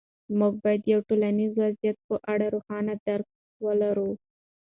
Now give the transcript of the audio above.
موږ باید د یو ټولنیز وضعیت په اړه روښانه درک ولرو.